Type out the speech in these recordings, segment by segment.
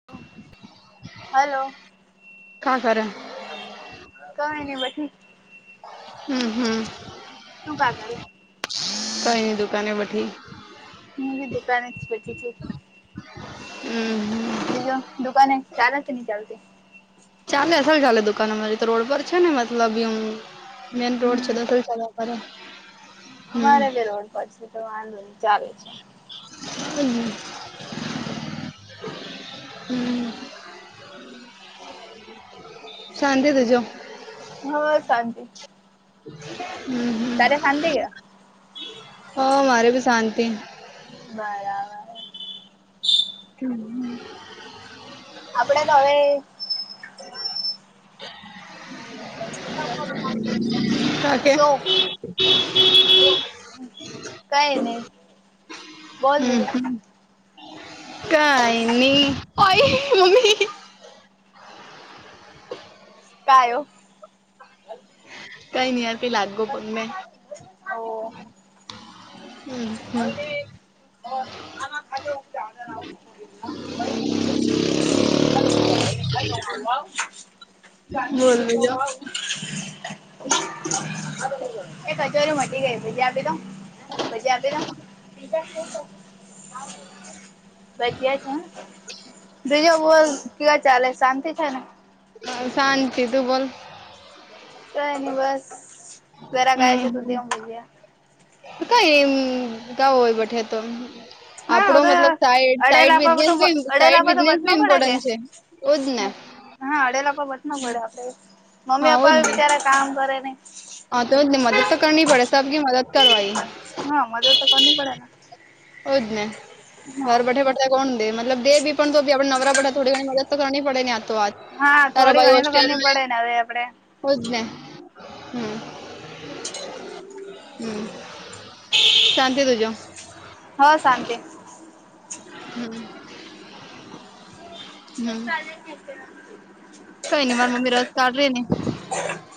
[inaudible] Hello ક્યા કર [unintelligible] કઈ નઈ બેઠી હમ હમ શું ભ આગળ [unintelligible] કઈની દુકાને બઠી [unintelligible] હ દુકાની છે [unintelligible] હમ હમ બીજો દુકાને ચાલે છે નહી ચાલતી ચાલે અસલ ચાલે દુકાન અમારી તો રોડ પર છે ને મતલબ એ મેન રોડ છે હમ અસલ ચાલે અમારે બે રોડ પર છે તો વાંધો નઈ ચાલે છે હમ હમ [inaudible] હમ [inaudible] શાંતે તજો [unintelligible] હા શાંતિ હમ [inaudible] તને શાંતિ છે હ મારે ભી શાંતિ. બરાબર. હમ [unintelligible] આપડે તો હવે કા કે સો [unintelligible] કઈ નહી બોલ હમ બીજું હમ કઈ ન ભાઈ મમ્મી [unintelligible] ક્યો કઈ નહીયાર પી લાગો પણને ઓ [unintelligible] હમ [inaudible] લો એક હચોરી બોલ બીજું મટી ગઈ પીજ આપી તો [unintelligible] પછી આપે તોજા. [unintelligible] ભજીયા છે બીજો બોલ કેવા ચાલે શાંતિ છે ને. શાંતિ તું બોલ. કઈ નઈ બસ ગરા ગાય હમ છે તો દેવ મળ્યા. કઈ ર એમ ગાવ હોય બેઠે તો. હા ઓ આપડો તો મતલબ સા સાઈ અડેલા પર બને તો અડેલા સાઈ પર તો બિઝનેસ ભ બટનો પડે કે ઇમ્પોર્ટન્ટ છે એજ ને. હા અડેલાપ બટ ના પડે આપડે મમ્મી હા ઓજ પપ્પા ને બચાર કામ કરે ને. હા તોને મદદ તો કરની પડે સબ ક મદદ કરવાઈ. હા મધર તો કર પડે. હોવ જ ને હા ઘર બેઠે પઠ કોણ દે મતલબ દે બી પણ તો બી આપડે નવરા બેઠા. થોડી વ મદદ તો કરની પડે ને આ તો વાત હા તાર થોડી ભાઈ ઘણી તો હોસ્ટેલ. કરની પડે ને હવે આપડે ઓજને હમ. હ શાંતિ તુજો. હ શાંતિ. હમ. ચલે. કોઈ ન મારમી રજ કર રહી ને.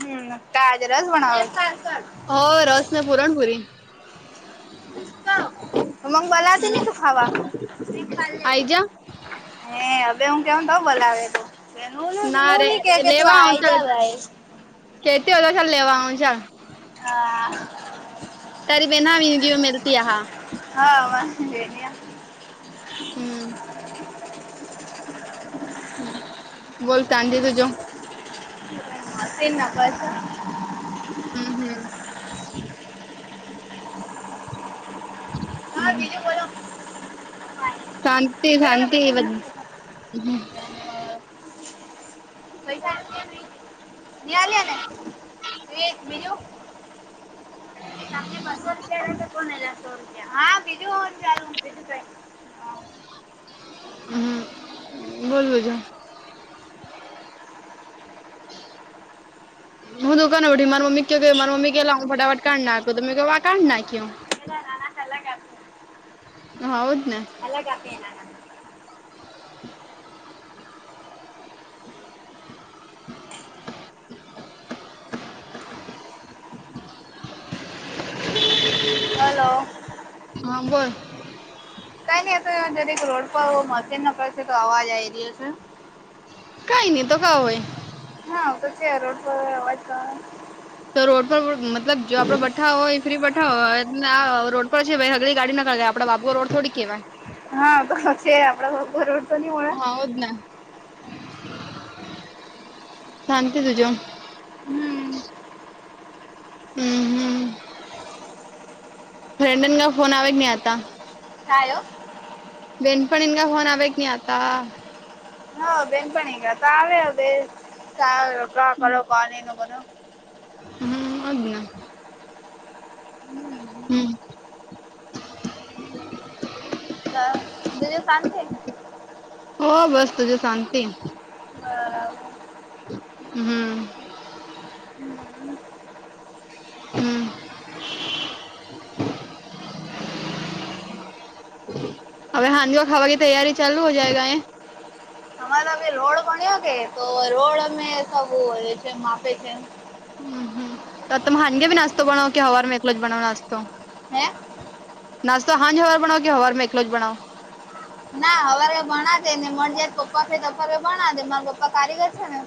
હમ તાજરસ બનાવા. હો રસ પુરણપુરી. મ બલાતી નને હમ તું ખાવા ખ. આઈ જા હે હવે હું કેમ કઉ બોલાવે તું. ના હું રે નહી કે કે તું આઈ જ ભાઈ. ખટતી હો તો સર લેવા આવંશે. હા. તરી બેના આવી ગી મલતી હા. હા વાેન. હમ. હ બોલતાજ તું જો. તે ના પાસ. હમ હમ. હા બીજું બોલો. શાંતિ બે પૈસા શાંતિ બ. નહીં પસાલ્યા ને બીજું. એલી બસર ખ તો કોણ એસોર. હા બીજું હો ચાલ બીજું કાઈ. હમ બોલ બ છ. હું દું ક નવી મા મમ્મી કે ક મારા મમ્મી કેલા હ ફટાટાઢનાખ તો કે કઢ ના કેવું પેલા નાના અલગ આપે હઉદને અલગ આપ આપીના [unintelligible] [unintelligible] [unintelligible] હલો. હા બર. કઈ ન. દરેક રોડ પર મશીન ન પડશે તો અવાજ આઈ રહ્યો છે. કઈ નહી તો ક હોય. હા કશે રોડ પર અવાજ કર. તો રોડ પર મતલબ જો આપડે બઠા હોય ફ્રી બઠા હોય આ રોડ પર છે ભગલી ગાડી નક. આપડ બાબુ રોડોડી કેવાય. હા તો છે આપડા પરવડતો ન. આવજ ના શાંતિ સુજ હમ હમ હમ ફ્રેન્ડન ગ ફોન આવે કે નહી આ હતા હ આવ્યો વેનપણીનગા હોન આવેક ન આ હ બેનપણીંગ તાવે બે ત ગ્રહ કર બ ન ન બનું હમ અગઞા હમ હમ દ દિવ કન છે હો બસ તજું શાંતિ બરા હમ હમ હમ હવે હાજીઓ ખાવા કે તૈયારી ચાલુ હો જયગ એ અમારા રોડ પ્યો કે તો રોડ અમે સ માપે છે હમ હમ તો ખાનગે બી નાસ્તો બનવો કે હવારમાં એકલો જ બનવો નાસ્તો હે નાસ્તો હાજ હવાર બનાઓ કે હવારમાં એકલો જ બનાો ના હવારે ભણા દે ને મળ જયારે પપ્પા છેરે ભણા દે મારા પપ્પા કારીગર છે ને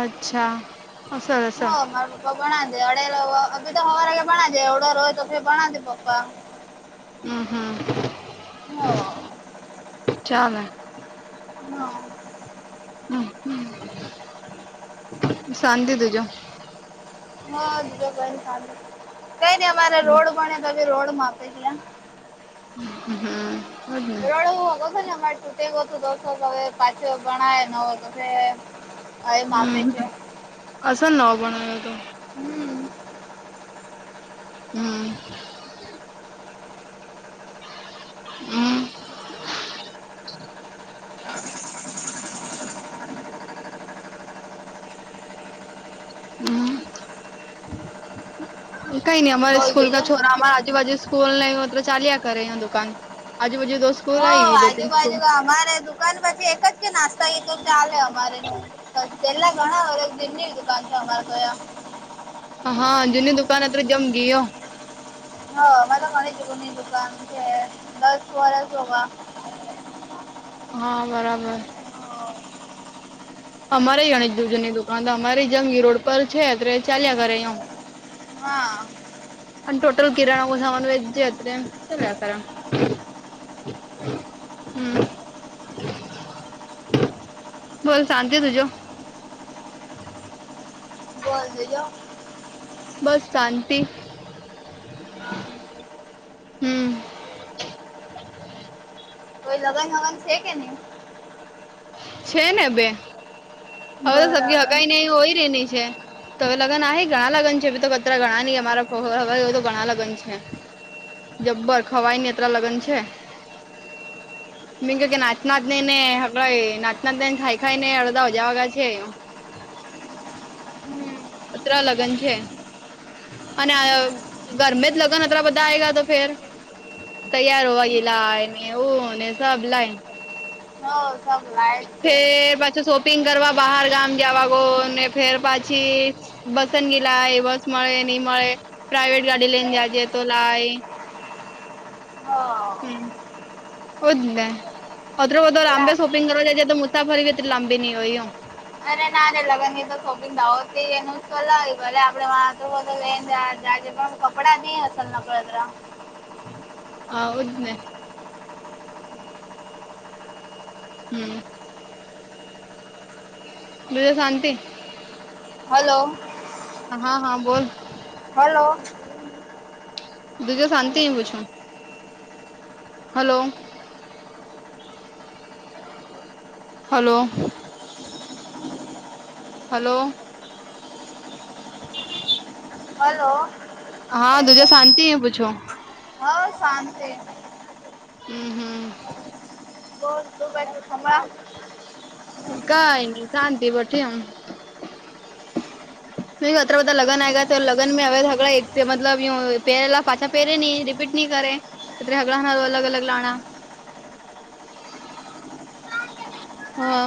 અચ્છા હ સર હ મારા પપ્પા ભણ દે અડ અ તો હવા કે પણણાજે ઓવડો રોજ તો પણણાજે પપ્પા હમ હા હા ચાલે હા હમ શાંતિ તજો હજ સું કઈ નઈ અમારે રોડ બને તો રોડ માં આપે છે હમ રડું ક છે તુંટે ગું દો હ પાછો ભણાય ન હો તો હવે માપે હમ છે અસ ન બના્યો તો હમ હમ હમ હમ કઈ નઈ અમારે બોલ સ્કૂલ બીજો કા છોરા અમાર આજુબાજુ ફૂલ લ હો તો ચાલ્યા કરે અયા દુકાન આજુબાજુ દોસ્ હો આજુ બાજુ અમારે ત દાન પછી એક જ કે નાસ્તા એ તો ચાલે અમારે ન પેલા ઘણા વ દિ કાનસાના તોયા હા જુની દુકાન અત્ર જમ ગયયો હા મને માહ છે કો દુકાન જે લસ વરાોગા હા બરાબર અમારે ગણિત દૂધનની દુકાન તો અમારી જંગ રોડ પર છે તો ચાલ્યા ઘરે એમ હા અને ટોટલ કિરણ ઓસા ઓન વેજ હતું, ચલ કારણ હમ. બોલ, શાંત તુ જો. બજ [unintelligible] બસ શાંતિ. હમ કોઈ લગન વગન છે કે નહી છે ને બે હવે તો સબજી બરાબર હગીને એ હોય રેની છે તોવે લગ્ન આ ઘણા લગન છે ભી તો પતરા ઘણા નહં અમારા હવે તો ઘણા લગ્ન છે જબ્બર ખ હવાઈ નેત્રા લગ્ન છે મી ક કે નાચનાને ને હગ નાચનાને ખાાઈ ખાઈ ને એળદજવા છેું હમ અત્ર લગ્ન છે અને ગરમે જ લગ્ન, અત બધા આય ગ તો ફેર તૈયાર હોવા ગેલાય ને, ઓ ને સબ લ એ. [inaudible] હ સગ ના [unintelligible] ફેર પાછી શોપિંગ કરવા બહાર ગામ જવા ગો ને, ફેર પાછી બસન ગેલાય, બસ મળે નહીં મળે, પ્રાઇવેટ ગાડી લઈને જ છે તો લાય. હમ. હ હો જ, અ બધો લાંબે લા શોપિંગ કરવા જાય તો, મુફત ફરવી એ લાંબી નહી ઈ હોય એમ. અરે ના, ને લગ્ન તો શોપિગ ના હો, એનું સલાય ભલે. આપડે વા હો તો લઈને જ. જે પણ કપડા નહીં હસલ, નકળતત્ર હદને. હમ. હવે શાંતિ. હલો. હા, હા, બોલ. હલો. દીજ શાંત હ બૂછો. હલો. હલો. હલો. હલો. હા, દુજા શાંતિ પૂછો? હા, શાંતિ. હમ, હમ. બહ દબ થમા [unintelligible] કંઈ ન, શાંતિ પછી આમ અત્ર બ લગન આ ગ તો લગન હવે ઝગડા મતલબ પ પાછા [unintelligible] પેરે નની રિપીટ નહી કરે, પત્ર હગડાના અલગ અલગ લાણા. [inaudible] હા.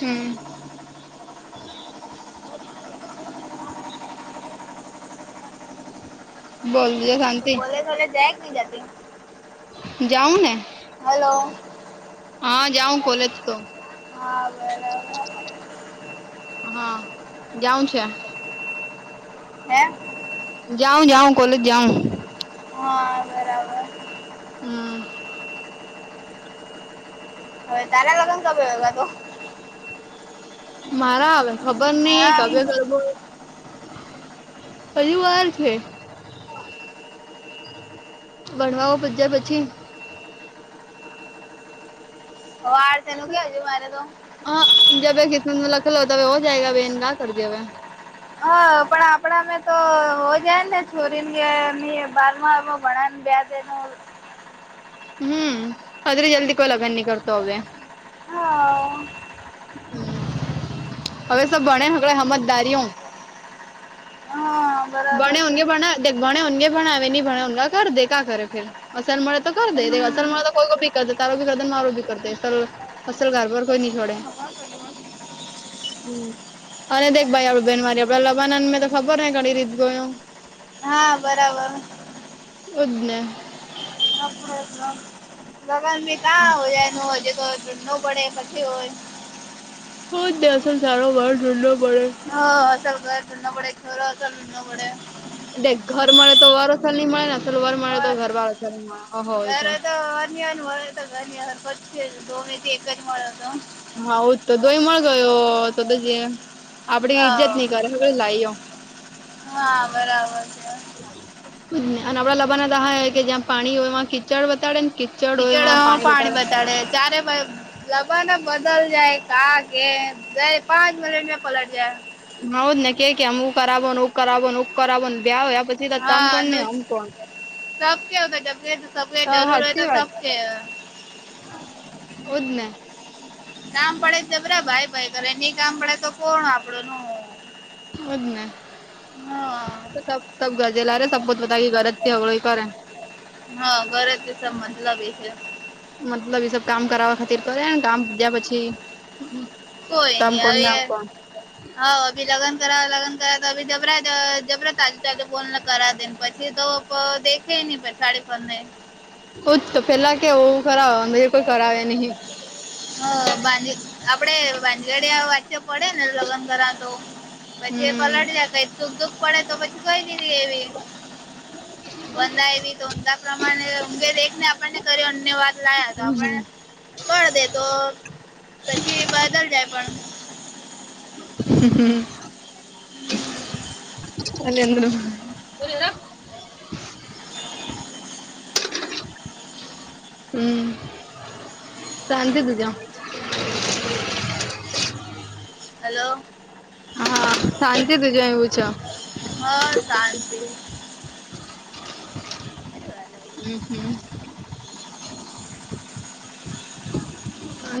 હમ. હ. બોલ, તુજે શાંતિ. [unintelligible] [unintelligible] જતી જાઉને. હલો. હા, જાઉં કોલેજ તો. હા, બ [unintelligible] હા, જાઉ છે. હે જાઉ, જાઉં, કોલેજ જાઉ. હા, બરાબર. હમ. હવે તારા લગન કમે તો? મારા, હ ખબર નહીં હા કવ્ય કરવો. પરિ વાર છે ભણવો પ્યા પછી. તેનું ક્યાં જોવું મારે તો હા, જબ ગીતનું [unintelligible] [unintelligible] હો જાયગ કાર કરેંગે. હા, પણ આપણા અમે તો હો જાય ને છોરીને ની બારમાં ઘણા ને બે [unintelligible] હમ્મ, આટલી જલ્દી કોઈ લગન નહી કરતી હવે. હા. હવે સો ભણે સમજદારી હા. બરાબર છે ભણેે ભણવેે ની ભણે એ ઘરે દેખા કરે બીજુ તો [unintelligible] અસલ મા હમ તો કોઈ [unintelligible] કર તારું કર દેને માારું ભી કરે અસલ ઘર બર કોઈ ન છોડે. હા, અને દેખ ભાઈ આપણે બેન મારી આપણે [unintelligible] મેં તો ખબર ન. [unintelligible] ગયું. હા, બરાબર. તુજ ને ના, લગન [unintelligible] હો જાય ન. [unintelligible] ન પડે, પછી હોય બો [unintelligible] સારો વર ઢૂલો પડે હા, અસલ ઘર [unintelligible] પડે ખેરો. [unintelligible] ઘર મળે તો વારોછર નની મળેને અસલ વર મળે તો હોય ઘર વારછર ન મળે હોય છે. મારે તો ઘાર પછી ધોથી એક જ મળે હતો. હઉ તો [unintelligible] [unintelligible] તો આપણી હા ઈજ્જત નહી કરે હવે હા બરાબર છે [unintelligible] અને આપણાને [unintelligible] કે જ્યાં પાણી હોય એમાં કીચડ બતાડે ને? કીચડ પાણી બતાડે તારે ભાઈ જમાનો બદલ જાય [unintelligible] કે જ પાંચ મિનિટ મે પલટ જાય. [unintelligible] ને કે આમ હું કરાવ [unintelligible] [unintelligible] ને હો પછી તો તમ કોણ ને હા, અમ કોણ. સબ કે સા જરૂર હોય તો સબ કે એજને. કામ પડે [unintelligible] ભાઈ કરે નઈ કામ પડે તો કોણ આપણે એજને. હમ્મ. તો સબ ગરજેલા રે સબ બતા કે ગરજથી હગળ કરે. હા, ઘરેજ સબ મતલબ એ છે મતલબ એ સબ કામ કરાવવા [unintelligible] કરેને કામ જ્યા પછી કોઈ તમ નહીં કોના હવે હા અભી લગન કરા જબરા-જબરા [unintelligible] બો કરાને પછી તો [unintelligible] [unintelligible] ને હજ તો પેલા કેવું કરાવવા કોઈ કરાવે નહિ. હ આપડે ભજડિયા વાચ્ય પડે ને લગ્ન કરવા તો પછી એ હમ પલટ દયા કઈ દુઃખ પડે તો પછી કઈ દીધી એવી હા. બંદા એવી તો ઊમદા પ્રમાણે ઊઘે એક ને આપણને કર્યો [unintelligible] વાત લાયા તો આપણ કર દે તો પછી બદલ જાય પણ હમ્મ. [unintelligible] હમ શંત તુજ [inaudible] હલો. હા, સાચે તજ એવું ચા હા શાંત હમ હમ